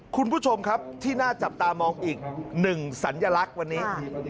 คุณผู้ชมครับที่น่าจับตามองอีกหนึ่งสัญลักษณ์วันนี้